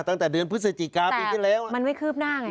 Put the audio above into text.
ตั้งแต่เดือนพฤศจิกรรมอยู่ที่แล้วนะแต่มันไม่คืบหน้าไง